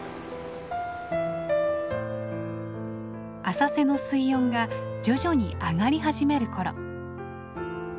浅瀬の水温が徐々に上がり始める頃。